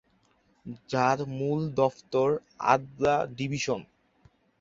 যার মূল দফতর আদ্রা ডিভিশন।